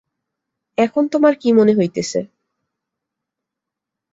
এখন তোমার কী মনে হইতেছে?